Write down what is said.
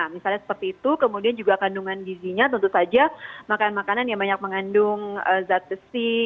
misalnya seperti itu kemudian juga kandungan gizinya tentu saja makanan makanan yang banyak mengandung zat besi